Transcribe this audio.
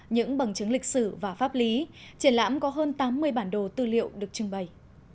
những bằng chứng lịch sử và pháp lý triển lãm có hơn tám mươi bản đồ tư liệu được trưng bày